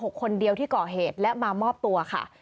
คนเดียวที่ก่อเหตุและมามอบตัวค่ะ